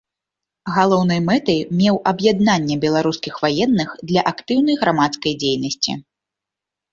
Галоўнай мэтай меў аб'яднанне беларускіх ваенных для актыўнай грамадскай дзейнасці.